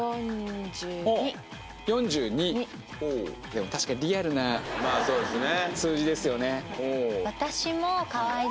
でも確かにリアルな数字ですよね